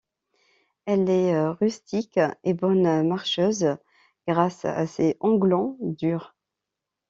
Elle est rustique et bonne marcheuse grâce à ses onglons durs.